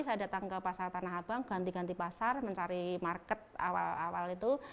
saya datang ke pasar tanah abang ganti ganti pasar mencari market awal awal itu